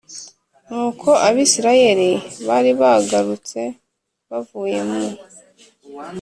Nuko Abisirayeli bari bagarutse bavuye mu